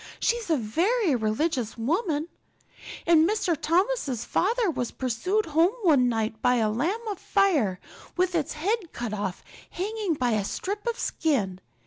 She's a very religious woman. And Mrs. Thomas's father was pursued home one night by a lamb of fire with its head cut off hanging by a strip of skin.